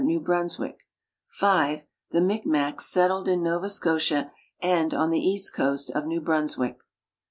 New Brunswick; (5) the Micjnacs, settled in Nova Scotia and on the east coast of New Brunswick.